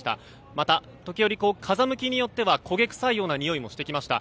また、時折風向きによっては焦げ臭いようなにおいもしてきました。